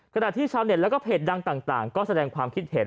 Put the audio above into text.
ขณะที่ชาวเน็ตแล้วก็เพจดังต่างก็แสดงความคิดเห็น